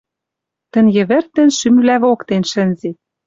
Тӹнь йӹвӹртӹн шӱмвлӓ воктен шӹнзет